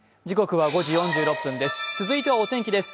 続いてはお天気です。